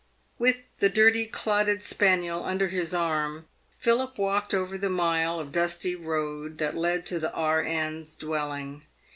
"With the dirty, clotted spaniel under his arm, Philip walked over the mile of dusty road that led to the R.N.'s dwelling.